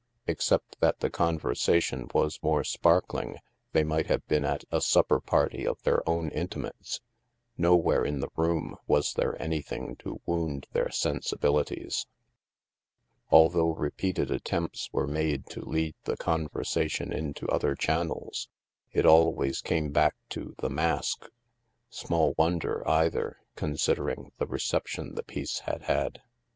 Except that the conversation was more sparkling, they might have been at a supper party of their own intimates. No where in the room was there anything to wound their sensibilities. Although repeated attempts were made to lead the conversation into other channels, it always came back to " The Mask." Small wonder, either, con sidering the reception the piece had had.